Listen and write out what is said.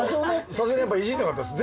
さすがにやっぱいじんなかったっす。